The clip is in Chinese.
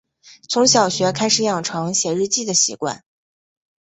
从小学开始养成写日记的习惯